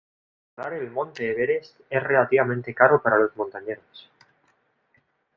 Escalar el monte Everest es relativamente caro para los montañeros.